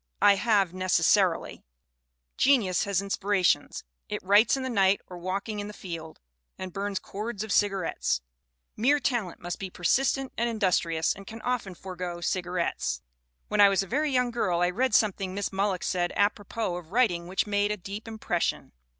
I have necessarily. Genius has inspira tions. It writes in the night, or walking in the field, and burns cords of cigarettes. Mere talent must be CLARA LOUISE BURNHAM 271 persistent and industrious, and can often forego cigar ettes. "When I was a very young girl I read something Miss Mulock said apropos of writing which made a deep impression.